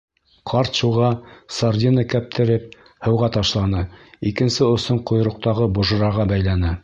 Ҡарт шуға сардина кәптереп һыуға ташланы, икенсе осон ҡойроҡтағы божраға бәйләне.